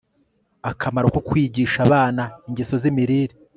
Akamaro ko kwigisha abana ingeso zimirire